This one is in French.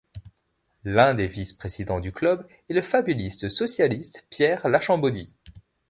L'un des vice-présidents du club est le fabuliste socialiste Pierre Lachambeaudie.